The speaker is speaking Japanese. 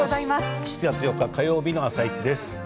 ７月４日火曜日の「あさイチ」です。